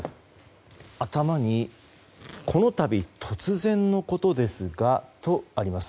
頭に「この度突然のことですが」とあります。